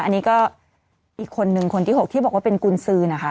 อันนี้ก็อีกคนนึงคนที่๖ที่บอกว่าเป็นกุญสือนะคะ